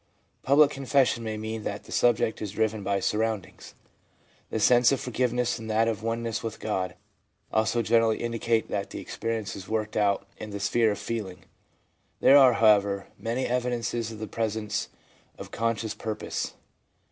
Public confession may mean that the subject is driven by surroundings. The sense of forgiveness and that of oneness with God also generally indicate that the ex perience is worked out in the sphere of feeling. There are, however, many evidences of the presence of con scious purpose.